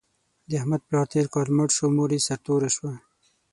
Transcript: د احمد پلار تېر کال مړ شو، مور یې سرتوره شوه.